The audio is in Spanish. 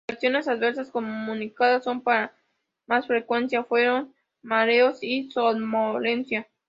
Las reacciones adversas comunicadas con más frecuencia fueron mareos y somnolencia.